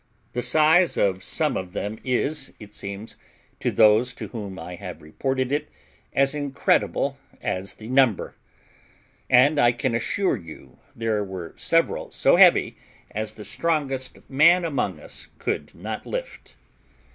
The size of some of them is, it seems, to those to whom I have reported it, as incredible as the number; and I can assure you there were several so heavy as the strongest man among us could not lift.